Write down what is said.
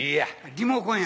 リモコンや。